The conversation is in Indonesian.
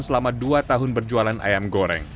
selama dua tahun berjualan ayam goreng